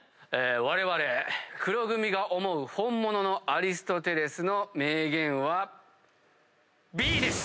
われわれ黒組が思う本物のアリストテレスの名言はＢです！